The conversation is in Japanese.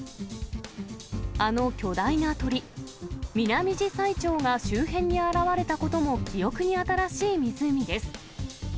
あの巨大な鳥、ミナミジサイチョウが周辺に現れたことも記憶に新しい湖です。